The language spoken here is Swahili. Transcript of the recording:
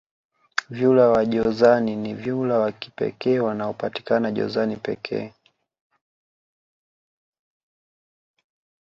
vyura wa jozani ni vyura wa kipekee wanaopatikana jozani pekee